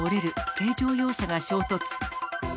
軽乗用車が衝突。